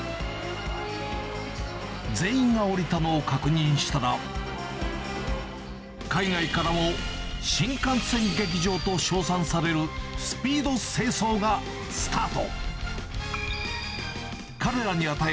全員が降りたのを確認したら、海外からも新幹線劇場と称賛される、スピード清掃がスタート。